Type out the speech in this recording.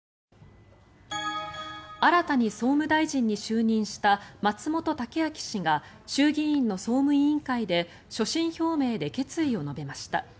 新たに総務大臣に就任した松本剛明氏が衆議院の総務委員会で所信表明で決意を述べました。